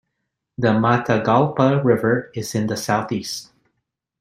The Matagalpa River is in the south-east.